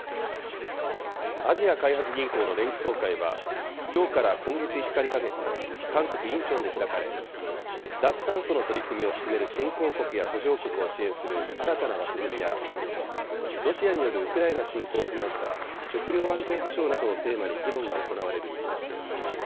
アジア開発銀行の年次総会は、きょうから今月５日にかけて、韓国・インチョンで開かれ、脱炭素の取り組みを進める新興国や途上国を支援する新たな枠組みや、ロシアによるウクライナ侵攻を踏まえた食料安全保障などをテーマに議論が行われる見通しです。